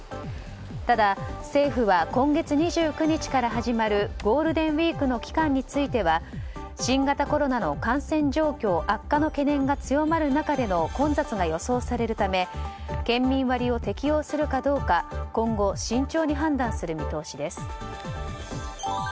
ただ、政府は今月２９日から始まるゴールデンウィークの期間については新型コロナの感染状況悪化の懸念が強まる中での混雑が予想されるため県民割を適用するかどうか今後、慎重に判断する見通しです。